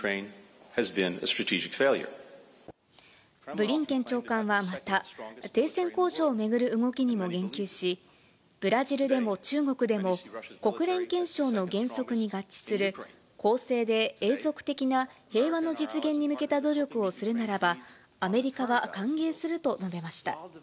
ブリンケン長官はまた、停戦交渉を巡る動きにも言及し、ブラジルでも中国でも、国連憲章の原則に合致する、公正で永続的な平和の実現に向けた努力をするならば、アメリカは歓迎すると述べました。